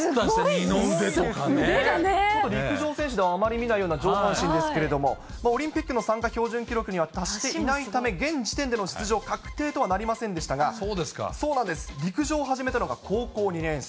二の腕とちょっと陸上選手ではあまり見ないような上半身ですけれども、オリンピックの参加標準記録には達していないため、現時点での出場確定とはなりませんでしたが、陸上を始めたのが高校２年生。